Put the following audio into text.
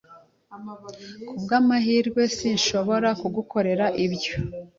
Kubwamahirwe, sinshobora kugukorera ibyo.